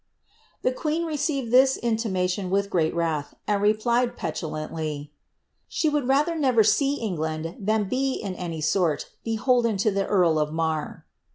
The qoeen received this intimation with greal wrath, and RpU^ pciulanily, ^She would rather never see England, ibim be, in uiy Mlf beholden to the eari of Harr."'